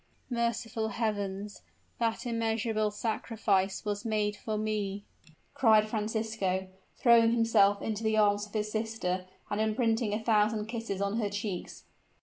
"Merciful heavens! that immeasurable sacrifice was made for me!" cried Francisco, throwing himself into the arms of his sister and imprinting a thousand kisses on her cheeks.